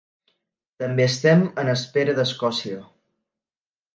També estem en espera d’Escòcia.